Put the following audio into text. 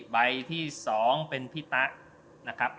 ใบที่๒เป็นพี่ตะ